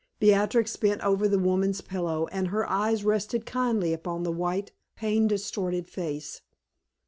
Beatrix bent over the woman's pillow, and her eyes rested kindly upon the white, pain distorted face.